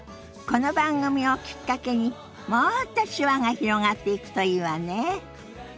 この番組をきっかけにもっと手話が広がっていくといいわね。